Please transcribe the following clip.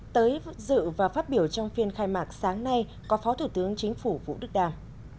tới dự và phát biểu trong phiên khai mạc sáng nay có phó thủ tướng chính phủ vũ đức đàm